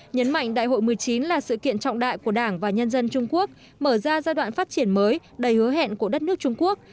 nhấn mạnh đại hội một mươi chín là sự kiện trọng đại của đảng và nhân dân trung quốc mở ra giai đoạn phát triển mới đầy hứa hẹn của đất nước trung quốc